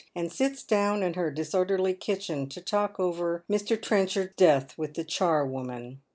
and site down in her disorderly kitchen to talk over Mr. Trell chard's death with the charwoman.